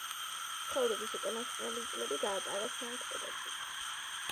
ცხოვრების უკანასკნელი წლები გაატარა სანქტ-პეტერბურგში.